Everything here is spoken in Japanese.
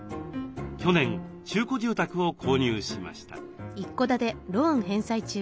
去年中古住宅を購入しました。